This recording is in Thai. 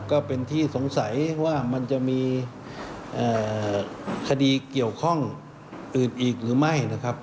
ก็เป็นที่สงสัยว่ามันจะมีคดีเกี่ยวข้องอื่นอีกหรือไม่นะครับ